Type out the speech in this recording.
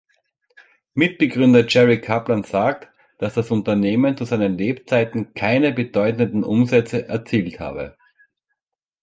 Mitbegründer Jerry Kaplan sagt, dass das Unternehmen zu seinen Lebzeiten „keine bedeutenden Umsätze“ erzielt habe.